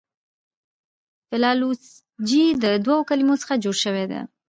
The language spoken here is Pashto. فلالوژي د دوو کلمو څخه جوړه سوې ده.